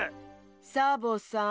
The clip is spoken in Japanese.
サボさん。